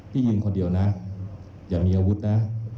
ยืนคนเดียวนะอย่ามีอาวุธนะ